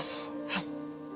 はい。